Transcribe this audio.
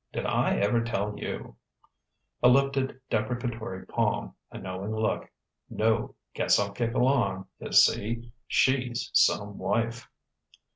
Did I ever tell you " A lifted, deprecatory palm, a knowing look: "No guess I'll kick along; y'see, she's some wife...."